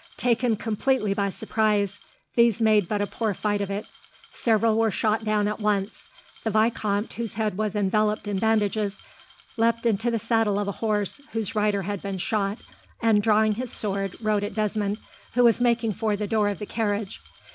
Taken completely by surprise, these made but a poor fight of it. Several were shot down at once. The vicomte, whose head was enveloped in bandages, leapt into the saddle of a horse whose rider had been shot, and, drawing his sword, rode at Desmond, who was making for the door of the carriage.